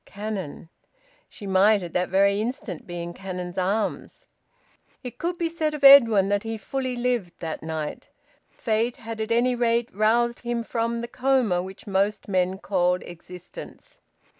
Cannon! She might at that very instant be in Cannon's arms. It could be said of Edwin that he fully lived that night. Fate had at any rate roused him from the coma which most men called existence.